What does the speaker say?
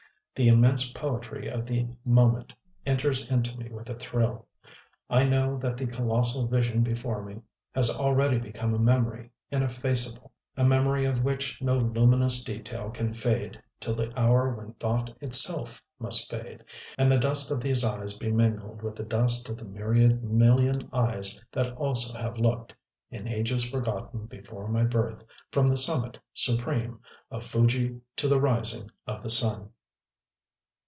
The immense poetry of the moment enters into me with a thrill. I know that the colossal vision before me has already become a memory ineffaceable, a memory of which no luminous detail can fade till the hour when thought itself must fade, and the dust of these eyes be mingled with the dust of the myriad million eyes that also have looked, in ages forgotten before my birth, from the summit supreme of Fuji to the Rising of the Sun.